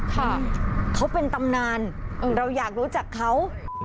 ค่ะเขาเป็นตำนานเราอยากรู้จักเขา